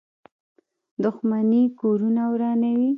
• دښمني کورونه ورانوي.